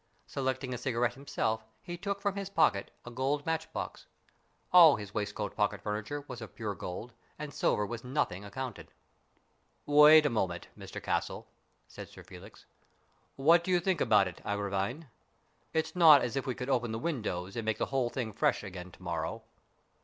Selecting a cigarette himself, he took from his pocket a gold matchbox. All his waistcoat pocket furniture was of pure gold, and silver was nothing accounted. " Wait one moment, Mr Castle," said Sir Felix. " What do you think about it, Agravine ? It's not as if we could open the windows and make the whole thing fresh again to morrow."